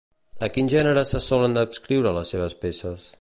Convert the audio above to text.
A quin gènere se solen adscriure les seves peces?